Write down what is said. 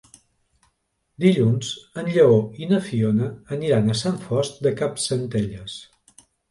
Dilluns en Lleó i na Fiona aniran a Sant Fost de Campsentelles.